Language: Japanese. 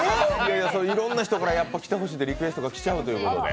いろんな人からやっぱり着てほしいとリクエストが来ちゃうということで。